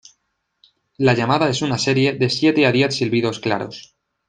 La llamada es una serie de siete a diez silbidos claros.